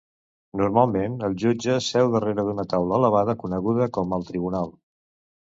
Normalment el jutge seu darrere d'una taula elevada coneguda com al tribunal.